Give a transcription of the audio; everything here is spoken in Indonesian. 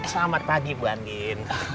selamat pagi bu andien